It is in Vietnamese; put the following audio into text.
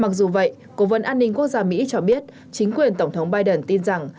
mặc dù vậy cố vấn an ninh quốc gia mỹ cho biết chính quyền tổng thống biden tin rằng